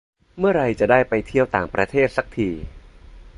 เมื่อไรจะได้ไปเที่ยวต่างประเทศสักที